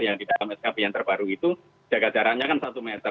yang di dalam skb yang terbaru itu jaga jaraknya kan satu meter